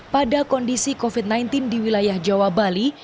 pada kondisi covid sembilan belas di wilayah jawa bali